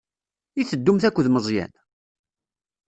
I teddumt akked Meẓyan?